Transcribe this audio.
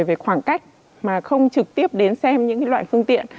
về khoảng cách mà không trực tiếp đến xem những loại phương tiện